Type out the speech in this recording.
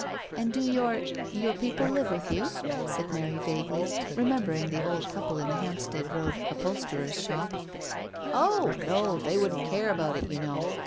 "And do your — your people live with you ?" said Mary vaguely, remembering the old couple in the Hampstead Road uphol sterer's shop. "Oh, no! They wouldn't care about it, you know.